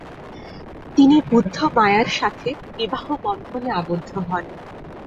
তিনি বুদ্ধ মায়ার সাথে বিবাহ বন্ধনে আবদ্ধ হন।